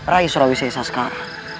rai surawisai saskar